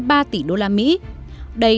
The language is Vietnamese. đây đang là điểm đến